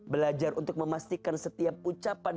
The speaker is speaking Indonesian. belajar untuk memastikan setiap ucapan